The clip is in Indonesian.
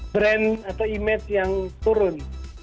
brand atau image yang turun